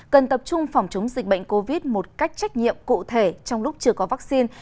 cần tập trung phòng chống dịch bệnh covid một cách trách nhiệm cụ thể trong lúc chưa có vaccine